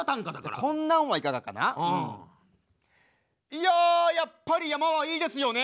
いややっぱり山はいいですよね。